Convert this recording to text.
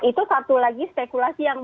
itu satu lagi spekulasi yang